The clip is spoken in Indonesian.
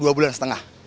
dua bulan setengah